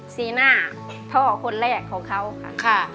สีหน้าพ่อคนแรกของเขาค่ะ